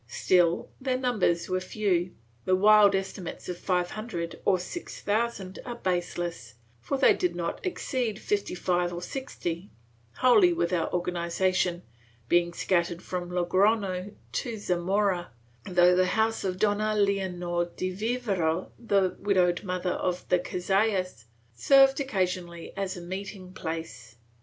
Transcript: Still, their numbers were few; the wild estimates of five hundred or six thousand are baseless, for they did not exceed fifty five or sixty, wholly without organization, being scattered from Logrofio to Zamora, though the house of Dofia Leonor de Vivero, the widowed mother of the Cazallas, served occasionally as a meeting place.